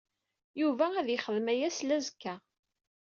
Yuba ad yexdem aya slazekka.